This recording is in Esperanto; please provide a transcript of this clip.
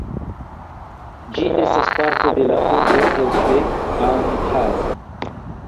Ĝi estas parto de la urbo Herzberg am Harz.